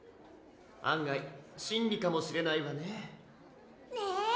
案外真理かもしれないわねねー！